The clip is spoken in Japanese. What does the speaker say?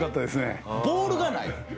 ボールがない？